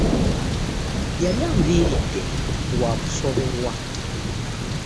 Yali anviiridde lwa kusoberwa.